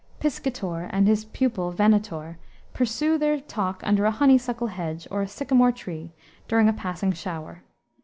Piscator and his pupil Venator pursue their talk under a honeysuckle hedge or a sycamore tree during a passing shower.